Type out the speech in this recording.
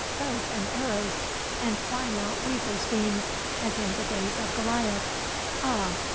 Bows and arrows! and why not weavers' beams, as in the days of Goliah? Ah!